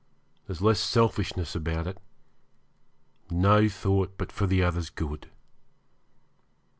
There's less selfishness about it no thought but for the other's good.